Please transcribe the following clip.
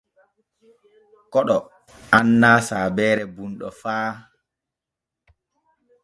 Koɗo annaa saabeere bunɗo fa.